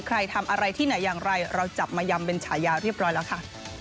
ใครทำอะไรที่ไหนอย่างไรเราจับมายำเป็นฉายาเรียบร้อยแล้วค่ะ